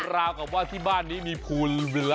ราวกับว่าที่บ้านนี้มีภูเรือ